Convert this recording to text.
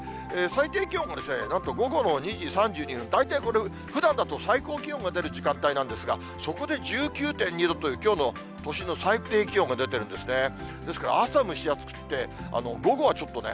最低気温もなんと午後の２時３２分、大体これ、ふだんだと最高気温が出る時間帯なんですが、そこで１９．２度という、きょうの都心の最低気温が出てるんですね。